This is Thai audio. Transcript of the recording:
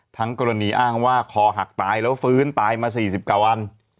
ทั้งกรณีอ้างว่าคอหักตายแล้วฟื้นตายมา๔๙วัน